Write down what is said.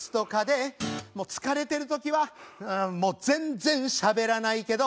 「疲れてる時はもう全然しゃべらないけど」